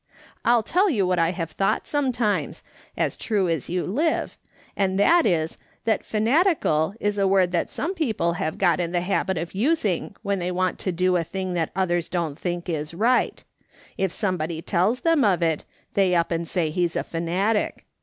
I'll tell you what I've thought some times, as true as you live, and that is, that 'fanatical' is a word that some people have got in a habit of using when they want to do a thing that others don't think is right ; if somebody tells them of it, they up and say he is a fanatic.